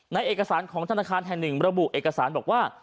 ในเอกสารของธนาคารแห่งหนึ่งระบุเอกสารบอกว่า